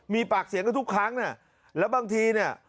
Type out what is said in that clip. มีปากเสียงกันทุกครั้งเนี่ยแล้วบางทีเนี่ย